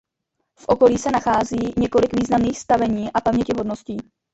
V okolí se nachází několik významných stavení a pamětihodností.